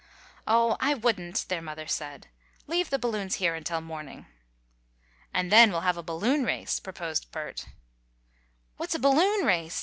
"Oh, I wouldn't," their mother said. "Leave the balloons here until morning." "And then we'll have a balloon race," proposed Bert. "What's a balloon race?"